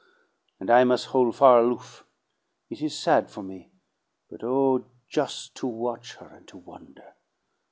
and I mus' hol' far aloof. It is sad for me but oh, jus' to watch her and to wonder!